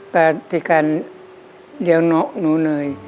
แต่ที่การเลี้ยงเนาะหนูเนย